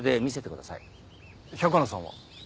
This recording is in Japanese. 百野さんは？